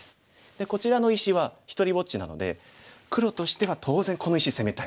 でこちらの石は独りぼっちなので黒としては当然この石攻めたい。